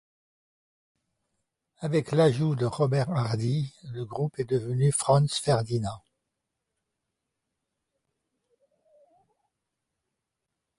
Avec l'ajout de Robert Hardy, le groupe est devenu Franz Ferdinand.